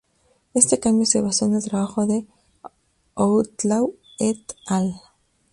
Este cambio se basó en el trabajo de Outlaw et al.